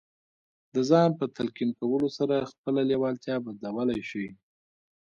د ځان په تلقين کولو سره خپله لېوالتیا بدلولای شئ.